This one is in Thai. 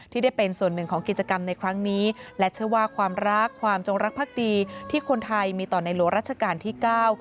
ได้เป็นส่วนหนึ่งของกิจกรรมในครั้งนี้และเชื่อว่าความรักความจงรักภักดีที่คนไทยมีต่อในหลวงราชการที่เก้า